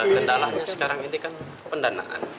kendalanya sekarang ini kan pendanaan